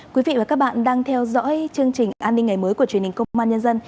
quý vị và các bạn đang theo dõi chương trình an ninh ngày mới của truyền hình công an nhân dân